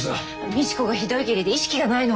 ミチコがひどい下痢で意識がないの。